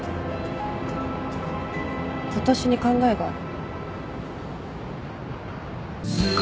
私に考えがある。